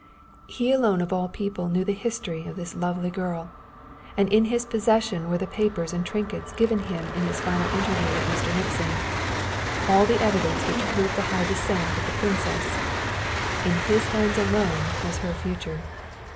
He alone of all people knew the history of this lovely girl, and in his possession were the papers and trinkets given him in his final interview with Mr. Nixon, all the evidence which proved the high descent of the Princess. In his hands alone was her future.